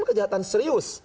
itu kan kejahatan serius